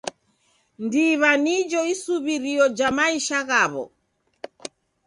Ndiw'a nijo isuw'irio ja maisha ghaw'o.